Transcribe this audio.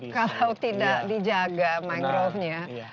kalau tidak dijaga mangrovenya